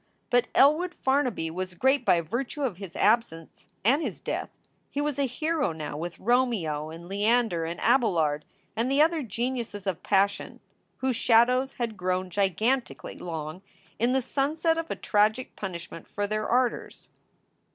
But Elwood Farnaby was great by virtue of his absence and his death. He was a hero now with Romeo and Leander and Abelard and the other geniuses of passion whose shadows had grown giganti cally long, in the sunset of a tragic punishment for their ardors.